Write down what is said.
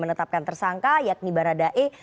menetapkan tersangka yakni baradae